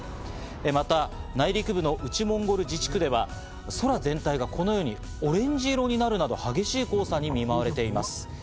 また、内陸部の内モンゴル自治区では空全体がこのようにオレンジ色になるなど激しい黄砂に見舞われています。